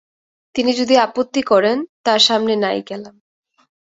তিনি যদি আপত্তি করেন, তাঁর সামনে নাই গেলাম।